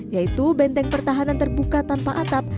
yaitu benteng pertahanan terbuka tanpa atap